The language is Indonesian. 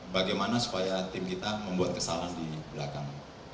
bagaimana supaya tim kita membuat kesalahan di belakang